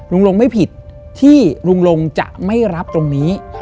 ลุงลงไม่ผิดที่ลุงลงจะไม่รับตรงนี้